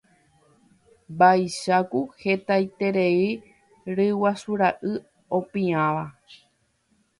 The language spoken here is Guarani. Vaicháku hetaiterei ryguasura'y opiãva.